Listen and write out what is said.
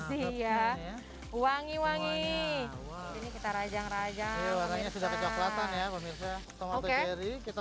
sih ya wangi wangi ini kita rajang rajang warna sudah kecoklatan ya pemirsa tomato cherry kita